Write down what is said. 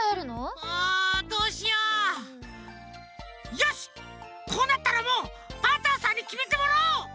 よしこうなったらもうパンタンさんにきめてもらおう！